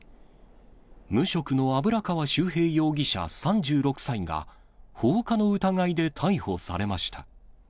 無職の油川秀平容疑者３６歳が、放火の疑いで逮捕されました。